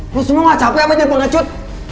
lo semua gak capek sama nyepa ngecut